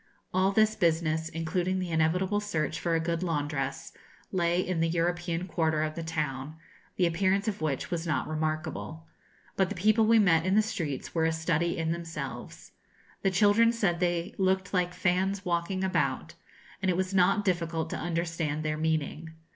All this business, including the inevitable search for a good laundress, lay in the European quarter of the town, the appearance of which was not remarkable. But the people we met in the streets were a study in themselves. The children said they looked 'like fans walking about;' and it was not difficult to understand their meaning.